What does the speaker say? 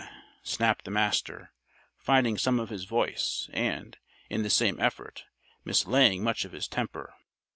snapped the Master, finding some of his voice and, in the same effort, mislaying much of his temper.